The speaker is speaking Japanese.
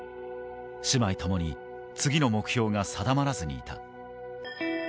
姉妹ともに次の目標が定まらずにいた。